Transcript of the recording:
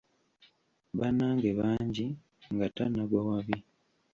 "Bannange bangi", nga tannagwa wabi.